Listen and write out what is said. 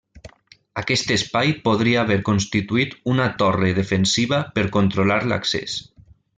Aquest espai podria haver constituït una torre defensiva per controlar l'accés.